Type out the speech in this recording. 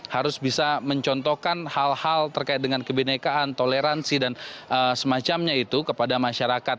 harus bisa mencontohkan hal hal terkait dengan kebenekaan toleransi dan semacamnya itu kepada masyarakat